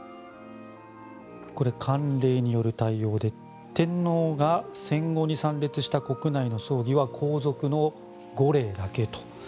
慣例による対応で天皇が戦後に参列した国内の葬儀は皇族の５例だけと。